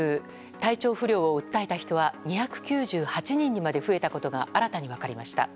体調不良を訴えた人は２９８人にまで増えたことが新たに分かりました。